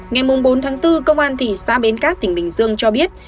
ngày bốn tháng bốn công an thị xã bến cát tỉnh bình dương cho biết